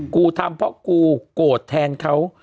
กูทำเพราะกูโกรธแทนเขา